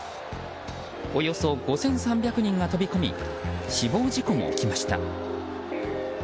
およそ５３００人が飛び込み死亡事故も起きました。